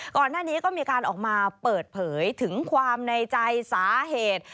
ก่อนหน้านี้ก็มีการออกมาเปิดเผยถึงความในใจสาเหตุ